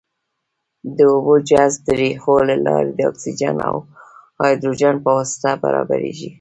د اوبو جذب د ریښو له لارې د اکسیجن او هایدروجن په واسطه برابریږي.